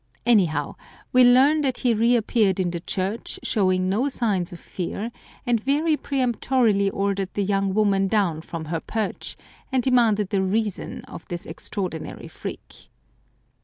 Anyhow we learn that he reap peared in the church showing no signs of fear, and very peremptorily ordered the young woman down from her perch, and demanded the reason of this ex traordinary freak.